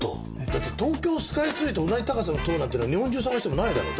だって東京スカイツリーと同じ高さの塔なんていうのは日本中探してもないだろ？